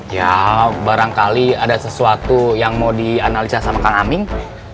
ya barangkali ada sesuatu yang mau dianalisa sama kang aming